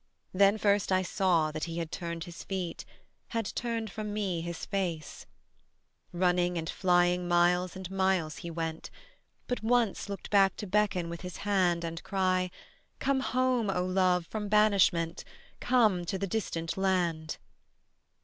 Then first I saw that he had turned his feet, Had turned from me his face: Running and flying miles and miles he went, But once looked back to beckon with his hand And cry: "Come home, O love, from banishment: Come to the distant land."